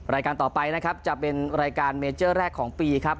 รายการต่อไปนะครับจะเป็นรายการเมเจอร์แรกของปีครับ